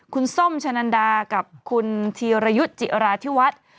คุณสมชะนันดาครับคุณถียไรจิราธิวัฒน์